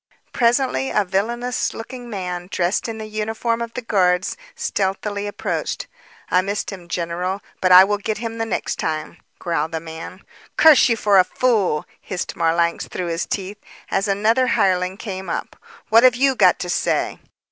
Presently, a villainous looking man dressed in the uniform of the guards, stealthily approached. "I missed him, general, but I will get him the next time." growled the man. "Curse you for a fool!" hissed Marlanx through his teeth. As another hireling came up. "What have you got to say?"